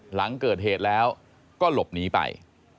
หลังเกิดเหตุแล้วก็หลบหนีไป